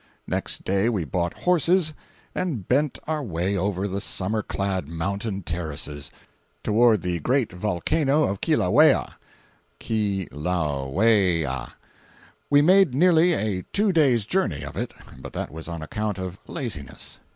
Next day we bought horses and bent our way over the summer clad mountain terraces, toward the great volcano of Kilauea (Ke low way ah). We made nearly a two days' journey of it, but that was on account of laziness.